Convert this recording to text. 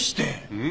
うん？